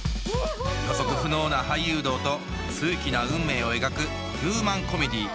予測不能な俳優道と数奇な運命を描くヒューマンコメディー